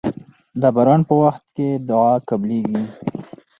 د باران په وخت کې دعا قبليږي.